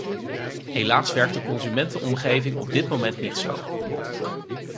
Helaas werkt de consumentenomgeving op dit moment niet zo.